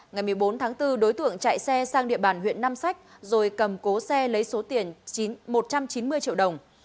ngày một mươi bốn tháng bốn đối tượng chạy xe sang địa bàn huyện nam sách rồi cầm cố xe lấy số tiền một trăm chín mươi triệu đồng